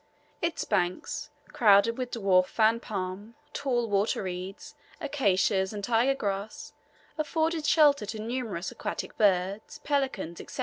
Its banks, crowded with dwarf fan palm, tall water reeds, acacias, and tiger grass, afford shelter to numerous aquatic birds, pelicans, &c.